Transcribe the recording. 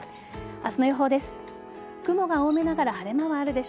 明日の予報です。